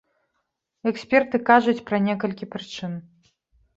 Эксперты кажуць пра некалькі прычын.